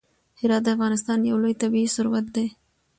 هرات د افغانستان یو لوی طبعي ثروت دی.